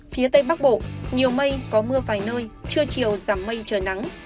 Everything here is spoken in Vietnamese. phía tây bắc bộ nhiều mây có mưa vài nơi trưa chiều giảm mây trời nắng